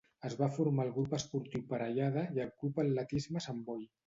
Es va formar al Grup Esportiu Parellada i al Club Atletisme Sant Boi.